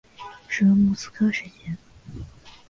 使用莫斯科时间。